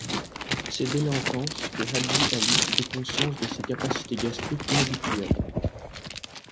C'est dès l'enfance que Hadji Ali prit conscience de ses capacités gastriques inhabituelles.